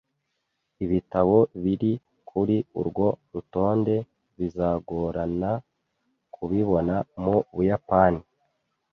Ibitabo biri kuri urwo rutonde bizagorana kubibona mu Buyapani